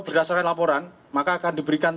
berdasarkan laporan maka akan diberikan